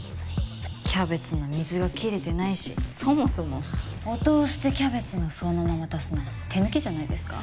キャベツの水が切れてないしそもそもお通しでキャベツをそのまま出すなんて手抜きじゃないですか？